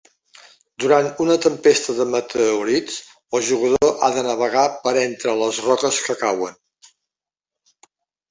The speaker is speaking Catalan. Durant una tempesta de meteorits, el jugador ha de navegar per entre les roques que cauen.